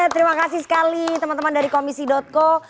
terima kasih sekali teman teman dari komisi co